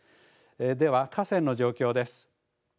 では、河川の状況です。